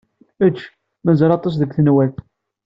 Ečč. Mazal aṭas deg tenwalt.